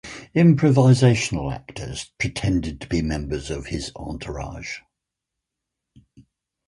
Improvisational actors pretended to be members of his entourage.